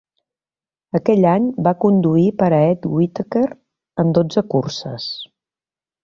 Aquell any, va conduir per a Ed Whitaker en dotze curses.